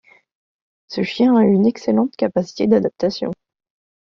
Ce chien a une excellente capacité d'adaptation.